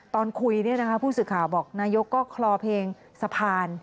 ตอนคุยผู้สื่อข่าวบอกนายกก็คลอเพลงสะพาน